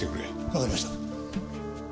わかりました。